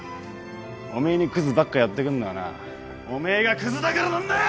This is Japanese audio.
おめえにクズばっか寄ってくんのはなおめえがクズだからなんだよ！